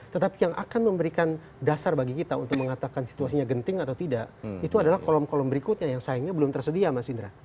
tetapi yang akan memberikan dasar bagi kita untuk mengatakan situasinya genting atau tidak itu adalah kolom kolom berikutnya yang sayangnya belum tersedia mas indra